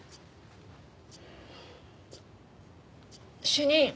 主任。